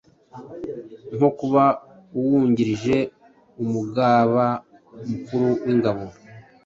nko kuba Uwungirije Umugaba Mukuru w’Ingabo